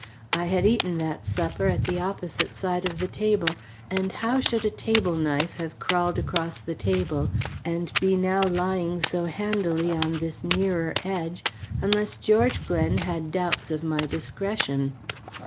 I had eaten that supper at the opposite side of the table, and how should a table knife have crawled across the table and be now lying so handily on this nearer edge unless George had doubts of my discretion?